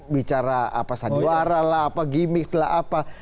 bicara apa sandiwara lah apa gimmick lah apa